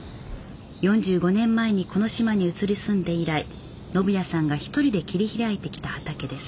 ４５年前にこの島に移り住んで以来信巳さんが一人で切り開いてきた畑です